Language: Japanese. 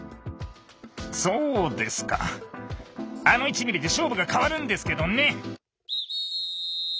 そうですかあの１ミリで勝負が変わるんですけどね。